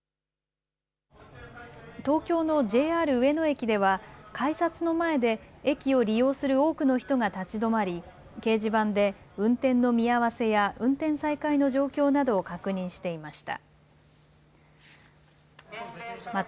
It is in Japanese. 東京のＪＲ上野駅では改札の前で駅を利用する多くの人が立ち止まり掲示板で運転の見合わせや運転再開の状況などを確認していました。